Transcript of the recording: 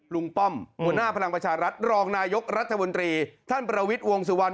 ป้อมหัวหน้าพลังประชารัฐรองนายกรัฐมนตรีท่านประวิทย์วงสุวรรณ